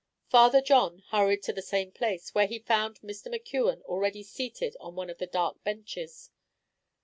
Father John hurried to the same place, where he found Mr. McKeon already seated on one of the dark benches.